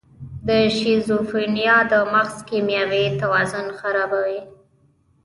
د شیزوفرینیا د مغز کیمیاوي توازن خرابوي.